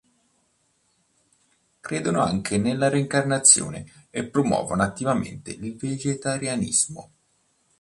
Credono anche nella reincarnazione e promuovono attivamente il vegetarianismo.